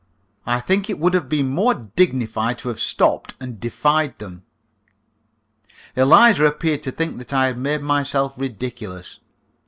I think it would have been more dignified to have stopped and defied them. Eliza appeared to think that I had made myself ridiculous.